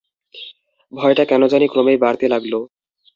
ভয়টা কেন জানি ক্রমেই বাড়তে লাগল।